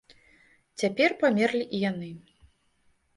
Цяпер памерлі і яны.